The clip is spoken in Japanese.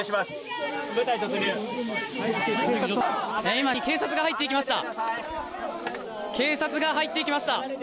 今警察が入ってきました。